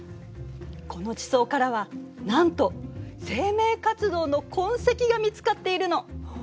この地層からはなんと生命活動の痕跡が見つかっているの。